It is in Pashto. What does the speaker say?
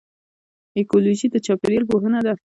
ایکیولوژي د چاپیریال پوهنه ده